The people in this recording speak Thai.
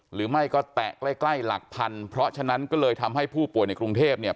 หรือไม่ก็แตะใกล้ใกล้หลักพันเพราะฉะนั้นก็เลยทำให้ผู้ป่วยในกรุงเทพเนี่ย